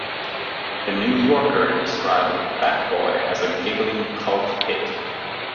"The New Yorker" described "Bat Boy" as a "giggling cult hit".